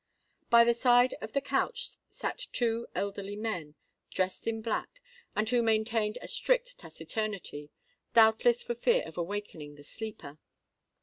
By the side of the couch sate two elderly men, dressed in black, and who maintained a strict taciturnity—doubtless for fear of awakening the sleeper.